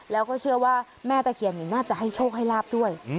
แล้วก็เชื่อว่าแม่ตะเคียนน่าจะให้โชคให้ลาบด้วย